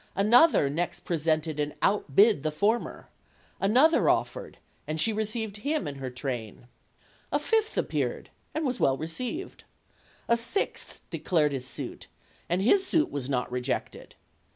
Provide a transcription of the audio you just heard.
Another next presented and outbid the former. Another offered, and she received him in her train. A fifth appeared, and was well received. A sixth declared his suit, and his suit was not rejected.